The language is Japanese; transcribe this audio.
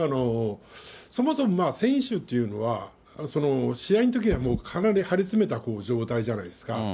そもそも選手っていうのは、試合のときにはもうかなり張り詰めた状態じゃないですか。